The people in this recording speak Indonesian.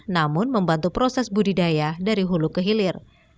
namun membantu proses budidaya dari hulu ke hilir